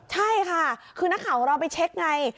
ใช่ค่ะคือหน้าข่าวเราไปเช็คไง